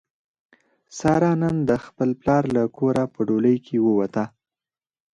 ساره نن د خپل پلار له کوره په ډولۍ کې ووته.